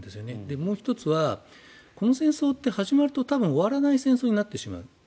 もう１つは、この戦争って始まると終わらない戦争になってしまう。